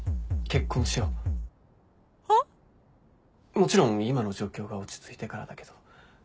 もちろん今の状況が落ち着いてからだけど。